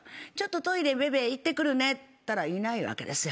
トイレベベ行ってくるねって言ったらいないわけですよ。